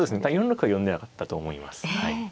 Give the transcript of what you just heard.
４六歩は読んでなかったと思います。